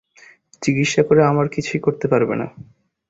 চিকিৎসা করে আমার কিছুই করতে পারবে না।